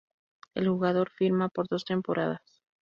El jugador firma por dos temporadas.